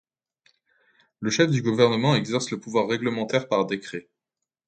Le chef du gouvernement exerce le pouvoir réglementaire par décret.